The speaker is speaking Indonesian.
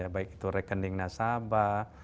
baik itu rekening nasabah